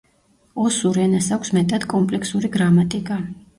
ოსურ ენას აქვს მეტად კომპლექსური გრამატიკა.